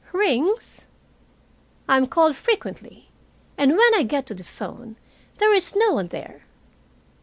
"Rings?" "I am called frequently and when I get to the phone, there is no one there."